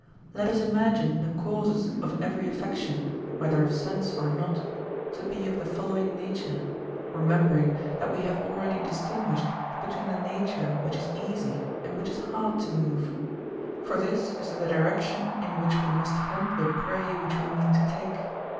Let us imagine the causes of every affection, whether of sense or not, to be of the following nature, remembering that we have already distinguished between the nature which is easy and which is hard to move; for this is the direction in which we must hunt the prey which we mean to take.